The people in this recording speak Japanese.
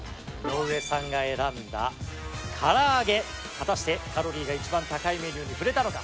井上さんが選んだ唐揚げ果たしてカロリーが一番高いメニューにふれたのか？